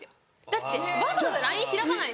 だってわざわざＬＩＮＥ開かない。